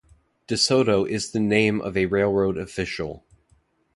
De Soto is the name of a railroad official.